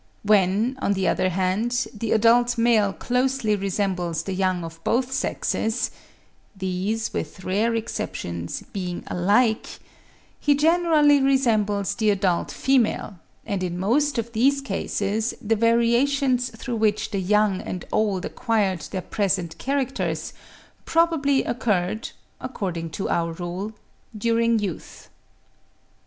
When, on the other hand, the adult male closely resembles the young of both sexes (these, with rare exceptions, being alike), he generally resembles the adult female; and in most of these cases the variations through which the young and old acquired their present characters, probably occurred, according to our rule, during youth.